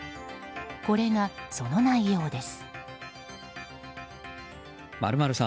これがその内容です。